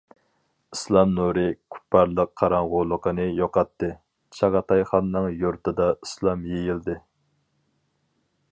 ئىسلام نۇرى كۇپپارلىق قاراڭغۇلۇقىنى يوقاتتى، چاغاتايخاننىڭ يۇرتىدا ئىسلام يېيىلدى.